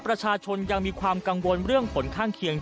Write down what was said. ประชาชนยังมีความกังวลเรื่องผลข้างเคียง